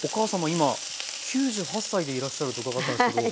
今９８歳でいらっしゃると伺ったんですけど。